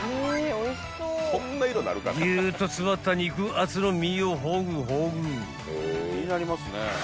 ［ぎゅっと詰まった肉厚の身をほぐほぐ］